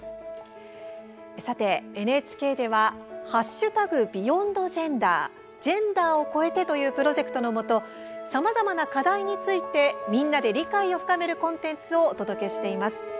さて、ＮＨＫでは「＃ＢｅｙｏｎｄＧｅｎｄｅｒジェンダーをこえて」というプロジェクトのもとさまざまな課題についてみんなで理解を深めるコンテンツをお届けしています。